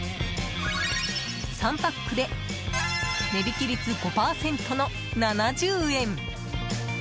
３パックで値引き率５％の７０円。